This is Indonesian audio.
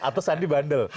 atau sadi bandel